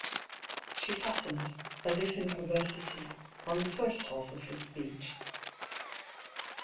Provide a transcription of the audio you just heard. She fastened, as if in perversity, on the first half of his speech.